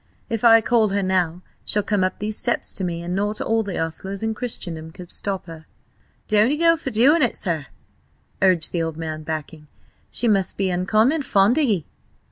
If I call her now she'll come up these steps to me, and not all the ostlers in Christendom could stop her." "Don't'ee go for to do it, sir!" urged the old man, backing. "She must be uncommon fond o' ye?"